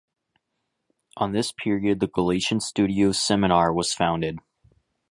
On this period the Galician Studies Seminar was founded.